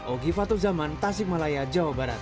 ogifatul zaman tasikmalaya jawa barat